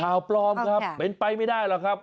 ข่าวปลอมครับเป็นไปไม่ได้หรอกครับ